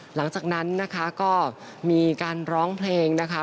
หลังจากนั้นนะคะก็มีการร้องเพลงนะคะ